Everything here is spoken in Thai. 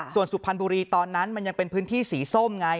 ส่วนสุพรรณบุรีตอนนั้นมันยังเป็นพื้นที่สีส้มไง